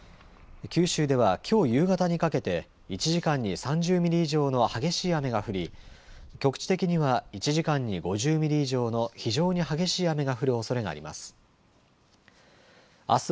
九州ではきょう夕方にかけて１時間に３０ミリ以上の激しい雨が降り局地的には１時間に５０ミリ以上の非常に激しい雨が降るおそれがあります。